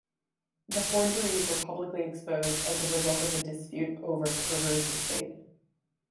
The forgeries were publicly exposed as a result of a dispute over Curvers' estate.